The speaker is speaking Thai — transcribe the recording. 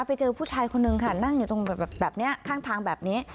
ไปเจอผู้ชายคนนึงค่ะนั่งอยู่ตรงแบบนี้ข้างทางแบบนี้